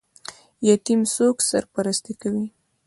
یتیم څوک سرپرستي کوي؟